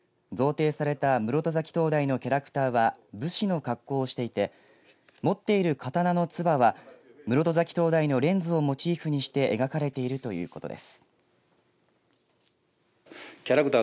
贈呈された室戸岬灯台のキャラクターは武士の格好をしていて持っている刀のつばは室戸岬灯台のレンズをモチーフにして描かれているということです。